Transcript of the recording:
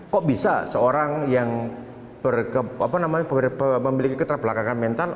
kok bisa seorang yang memiliki keterbelakangan mental